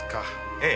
ええ。